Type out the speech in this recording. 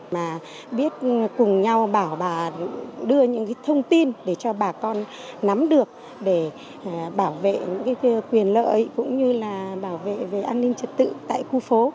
mà biết cùng nhau bảo bà đưa những thông tin để cho bà con nắm được để bảo vệ những quyền lợi cũng như là bảo vệ về an ninh trật tự tại khu phố